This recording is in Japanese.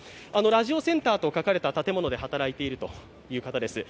ラジオセンターと書かれた建物で働いているという方です。